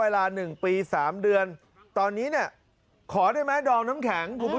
เวลา๑ปี๓เดือนตอนนี้เนี่ยขอได้ไหมดอมน้ำแข็งคุณผู้ชม